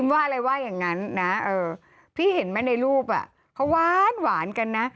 ว่าอะไรว่าอย่างนั้นนะพี่เห็นไหมในรูปเขาหวานกันนะ